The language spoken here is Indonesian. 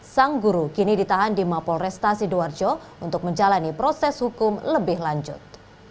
sang guru kini ditahan di mapol resta sidoarjo untuk menjalani proses hukum lebih lanjut